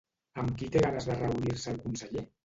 Amb qui té ganes de reunir-se el conseller?